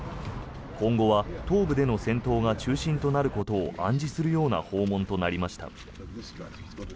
今後は東部での戦闘が中心となることを暗示するような訪問となりました。